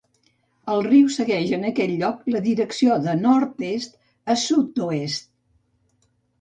El riu segueix en aquell lloc la direcció de nord-est a sud-oest.